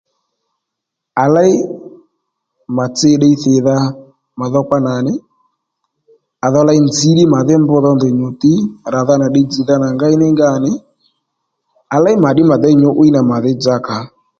À léy mà tsi ddiy thìdha mà dhokpa nà nì à dho ley nzǐ ddí màdhí mb dho ndèy nyù tǐ ràdha nà ddiy dzz̀dha nà ngéy ní ngà nì à léy màddí mà déy nyǔ'wiy nà màdhí dzakǎ